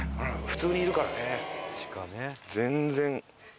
普通にいるからね。